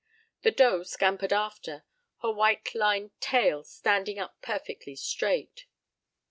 The doe scampered after, her white lined tail standing up perfectly straight.